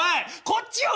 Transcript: こっちを。